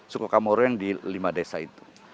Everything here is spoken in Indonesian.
suku kamoro yang di lima desa itu